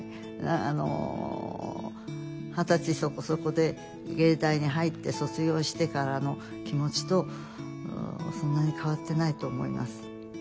あの二十歳そこそこで藝大に入って卒業してからの気持ちとそんなに変わってないと思います。